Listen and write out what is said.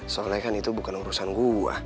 soalnya kan itu bukan urusan gue